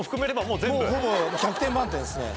もうほぼ１００点満点ですね。